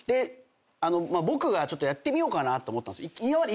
僕がちょっとやってみようかなと思ったんですよ。